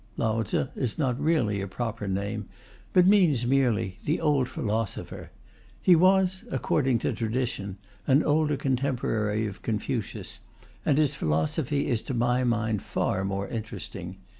"Lao Tze" is not really a proper name, but means merely "the old philosopher." He was (according to tradition) an older contemporary of Confucius, and his philosophy is to my mind far more interesting.